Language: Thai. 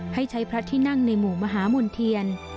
ให้ใช้พระที่นั่งในหมู่มหามณ์เทียน